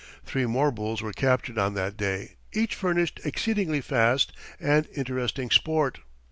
Three more bulls were captured on that day; each furnished exceedingly fast and interesting sport.